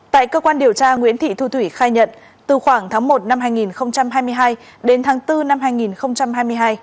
tại cơ quan điều tra nguyễn thị thu thủy khai nhận từ khoảng tháng một năm hai nghìn hai mươi hai đến tháng bốn năm hai nghìn hai mươi hai